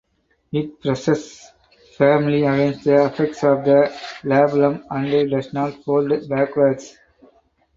It presses firmly against the apex of the labellum and does not fold backwards.